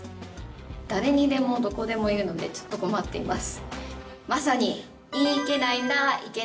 誰にでもどこでも言うのでちょっと困っています。